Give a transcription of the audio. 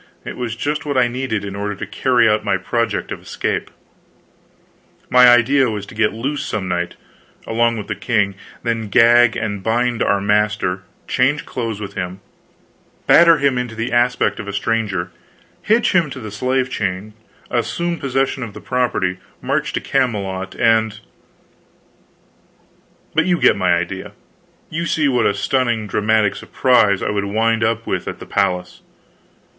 It was just what I needed, in order to carry out my project of escape. My idea was to get loose some night, along with the king, then gag and bind our master, change clothes with him, batter him into the aspect of a stranger, hitch him to the slave chain, assume possession of the property, march to Camelot, and But you get my idea; you see what a stunning dramatic surprise I would wind up with at the palace.